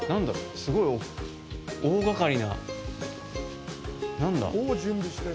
すごい大がかりな。何だ？